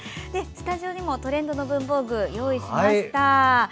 スタジオにもトレンドの文房具用意しました。